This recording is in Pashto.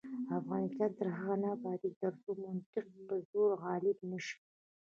افغانستان تر هغو نه ابادیږي، ترڅو منطق پر زور غالب نشي.